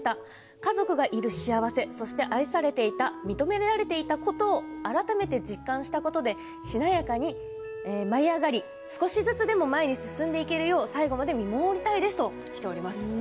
家族がいる幸せそして、愛されていた認められていたことを改めて実感したことでしなやかに舞い上がり少しずつでも前に進んでいけるよう最後まで見守りたいですときております。